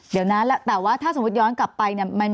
เดี๋ยวนั้นแหละแต่ว่าถ้าสมมุติย้อนกลับไปเนี่ย